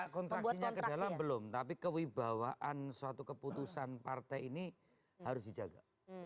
kontraksinya ke dalam belum tapi kewibawaan suatu keputusan partai ini harus dijaga